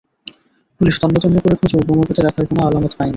Police তন্ন তন্ন করে খুঁজেও বোমা পেতে রাখার কোনো আলামত পায়নি।